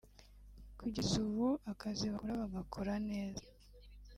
Kugeza ubu akazi bakora bagakora neza